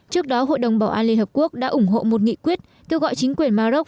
trước đó hội đồng bảo an liên hợp quốc đã ủng hộ một nghị quyết kêu gọi chính quyền maroc